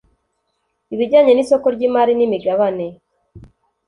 ibijyanye n’isoko ry’imari n’imigabane